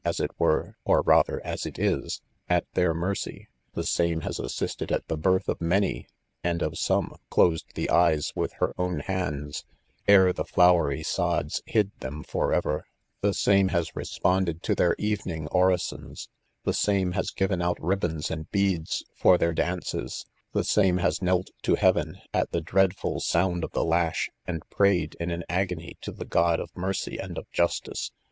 as it were, (or rather as it is,) at their mercy ; the same has assisted 'at the birth of many, and, of some, closed the eyes with her own hands s ere the flowery sods hid them forever; the same has responded to their evening ori sons ; the same has given out ribands and beads for their dances j the same' has knelt to heaven, at the dreadful sound of the lash, and prayed, in an agony, to the God of mercy and of justice.